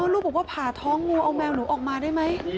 ลูกบอกว่าผ่าท้องงูเอาแมวหนูออกมาได้ไหม